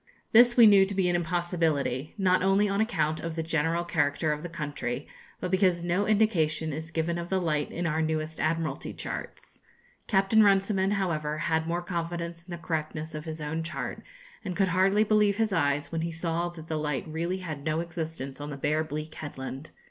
This we knew to be an impossibility, not only on account of the general character of the country, but because no indication is given of the light in our newest Admiralty charts. Captain Runciman, however, had more confidence in the correctness of his own chart, and could hardly believe his eyes when he saw that the light really had no existence on the bare bleak headland.